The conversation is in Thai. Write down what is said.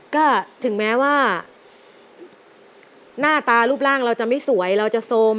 ก็ถึงแม้ว่าหน้าตารูปร่างเราจะไม่สวยเราจะโซม